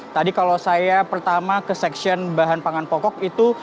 tadi kalau saya pertama ke seksian bahan pangan pokok itu